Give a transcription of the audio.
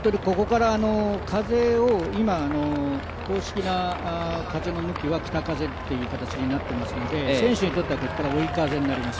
公式の風の向きは北風っていう形になっていますので選手にとってはここから追い風になります。